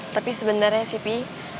tapi sebenarnya sih pi